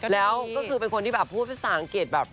แล้วก็คือเป็นคนที่แบบพูดภาษาอังกฤษแบบ